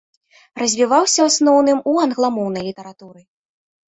Развіваўся ў асноўным у англамоўнай літаратуры.